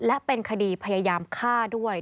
และเป็นคดีพยายามฆ่าด้วย